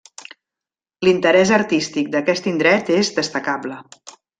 L'interès artístic d'aquest indret és destacable.